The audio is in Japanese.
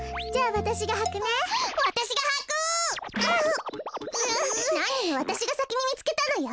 わたしがさきにみつけたのよ。